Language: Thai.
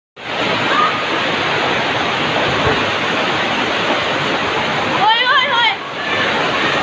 นายใจถึงปฏิเสธต่างสมนติเท่าให้ลองช่องสร้าง